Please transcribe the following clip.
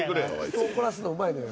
人を怒らすのうまいのよ。